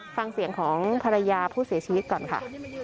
ฟังเสียงของภรรยาผู้เสียชีวิตก่อนค่ะ